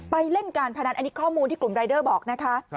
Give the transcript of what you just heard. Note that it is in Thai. เล่นการพนันอันนี้ข้อมูลที่กลุ่มรายเดอร์บอกนะคะ